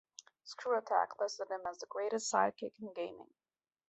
ScrewAttack listed him as the greatest sidekick in gaming.